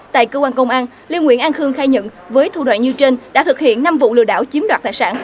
tại cơ quan công an liêu nguyễn an khương khai nhận với thủ đoạn như trên đã thực hiện năm vụ lừa đảo chiếm đoạt tài sản